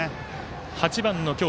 ８番の今日